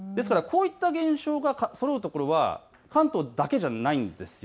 ですからこういった現象がそろうところは関東だけじゃないんです。